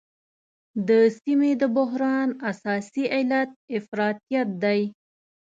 د سیمې د بحران اساسي علت افراطیت دی.